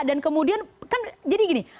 dan kemudian kan jadi gini